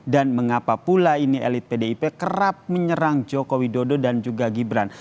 dan mengapa pula ini elit pdip kerap menyerang jokowi dodo dan juga gibran